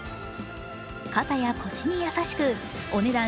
肩や腰に優しく、お値段